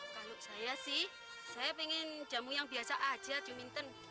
kalau saya sih saya pengen jamu yang biasa aja diminten